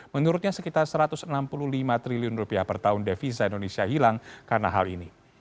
menurutnya sekitar satu ratus enam puluh lima triliun rupiah per tahun devisa indonesia hilang karena hal ini